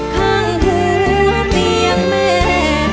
ข้างหัวเตียงแม่